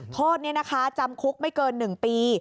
โทษนี้นะคะจำคุกไม่เกิน๑ปี